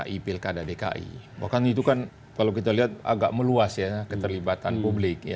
di pilkada dki bahkan itu kan kalau kita lihat agak meluas ya keterlibatan publik ya